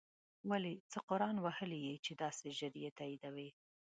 ولی څه قرآن وهلی یی چی داسی ژر یی تاییدوی